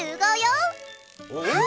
うん！